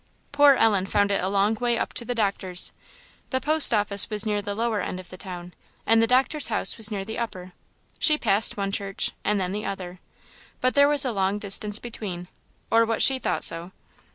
Poor Ellen found it a long way up to the doctor's. The post office was near the lower end of the town, and the doctor's house was near the upper; she passed one church, and then the other, but there was a long distance between, or what she thought so.